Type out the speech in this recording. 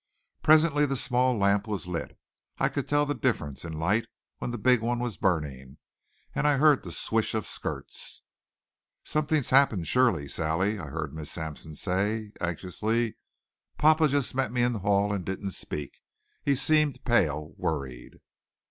Presently the small lamp was lit I could tell the difference in light when the big one was burning and I heard the swish of skirts. "Something's happened, surely, Sally," I heard Miss Sampson say anxiously. "Papa just met me in the hall and didn't speak. He seemed pale, worried."